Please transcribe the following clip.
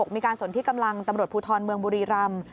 มีการสนที่กำลังตำรวจภูทรเมืองบุรีรำ